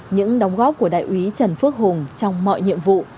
những đóng góp của đại úy trần phước hùng trong mọi nhiệm vụ